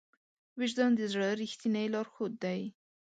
وجدان د زړه ریښتینی لارښود دی.